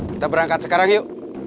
kita berangkat sekarang yuk